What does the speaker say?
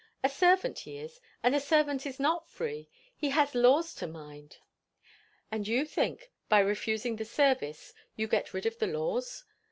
A servant he is; and a servant is not free. He has laws to mind." "And you think, by refusing the service you get rid of the laws?